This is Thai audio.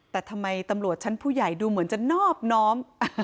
แต่ทำไมตำรวจชั้นผู้ใหญ่ดูเหมือนจะนอบน้อม